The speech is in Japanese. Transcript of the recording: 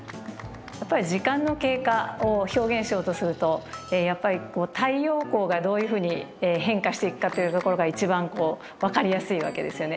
やっぱり時間の経過を表現しようとするとやっぱり太陽光がどういうふうに変化していくかというところが一番分かりやすいわけですよね。